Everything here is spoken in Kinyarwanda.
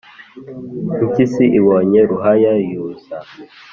impyisi ibonye ruhaya yuza,